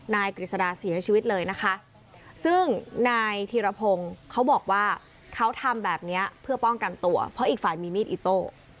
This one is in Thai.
กฤษดาเสียชีวิตเลยนะคะซึ่งนายธีรพงศ์เขาบอกว่าเขาทำแบบนี้เพื่อป้องกันตัวเพราะอีกฝ่ายมีมีดอิโต้